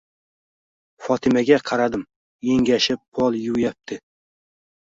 Fotimaga qaradim engashib pol yuvyapti.